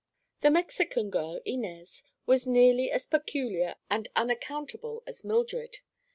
The Mexican girl, Inez, was nearly as peculiar and unaccountable as Mildred.